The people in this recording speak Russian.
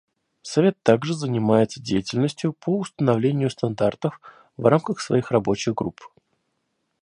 Совет также занимается деятельностью по установлению стандартов в рамках своих рабочих групп.